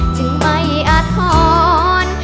จึงไม่อาทร